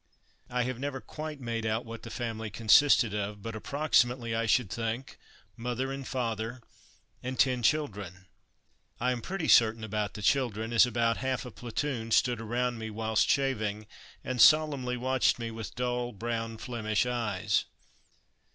I have never quite made out what the family consisted of, but, approximately, I should think, mother and father and ten children. I am pretty certain about the children, as about half a platoon stood around me whilst shaving, and solemnly watched me with dull brown Flemish eyes.